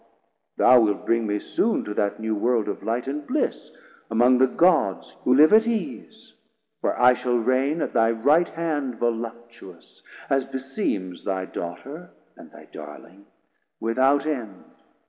thou wilt bring me soon To that new world of light and bliss, among The Gods who live at ease, where I shall Reign At thy right hand voluptuous, as beseems Thy daughter and thy darling, without end.